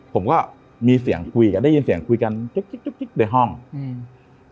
ผมก็มีเสียงคุยกันได้ยินเสียงคุยกันจุ๊กจิ๊กจุ๊กจิ๊กในห้องอืม